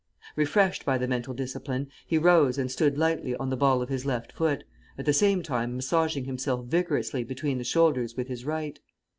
Refreshed by the mental discipline, he rose and stood lightly on the ball of his left foot, at the same time massaging himself vigorously between the shoulders with his right.